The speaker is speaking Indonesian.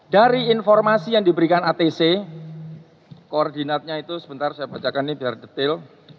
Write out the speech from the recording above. dari informasi yang diberikan atc koordinatnya itu sebentar saya bacakan ini biar detail